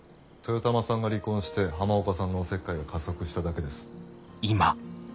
豊玉さんが離婚して浜岡さんのお節介が加速しただけです。